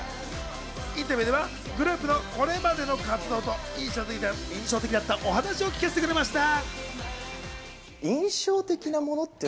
インタビューではグループのこれまでの活動と、印象的だったお話を聞かせてくれました。